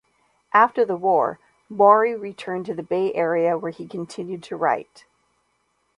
After the war, Mori returned to the Bay Area where he continued to write.